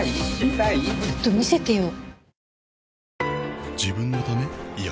ちょっと見せてよ。